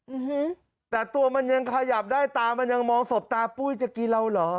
อืมแต่ตัวมันยังขยับได้ตามันยังมองสบตาปุ้ยจะกินเราเหรอ